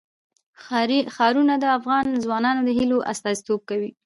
ښارونه د افغان ځوانانو د هیلو استازیتوب کوي.